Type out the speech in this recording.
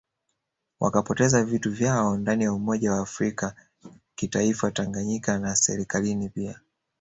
Wakapoteza vitu vyao ndani ya umoja wa afrika kitaifa Tanganyika na Serikalini pia